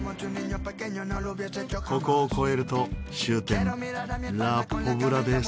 ここを越えると終点ラ・ポブラ・デ・サグー駅です。